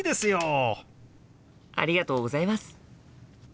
ありがとうございます！